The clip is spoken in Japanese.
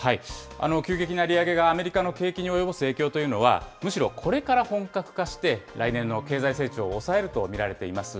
急激な利上げがアメリカの景気に及ぼす影響というのは、むしろこれから本格化して、来年の経済成長を抑えると見られています。